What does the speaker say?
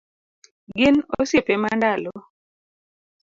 Gin osiepe mandalo